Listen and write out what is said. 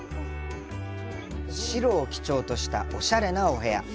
白を基調としたおしゃれなお部屋。